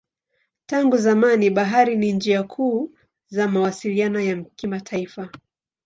Tangu zamani bahari ni njia kuu za mawasiliano ya kimataifa.